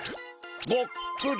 ごっくり。